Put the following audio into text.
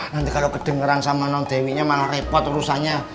nanti kalo kedengeran sama non dewi nya malah repot rusaknya